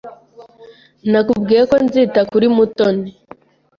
Nakubwiye ko nzita kuri Mutoni.